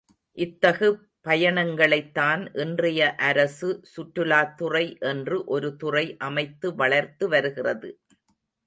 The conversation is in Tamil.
இத்தகு பயணங்களைத்தான் இன்றைய அரசு, சுற்றுலாத் துறை என்று ஒரு துறை அமைத்து வளர்த்து வருகிறது.